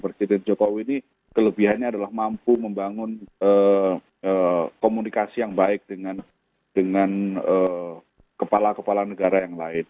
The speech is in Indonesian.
presiden jokowi ini kelebihannya adalah mampu membangun komunikasi yang baik dengan kepala kepala negara yang lain